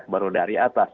baru dari atas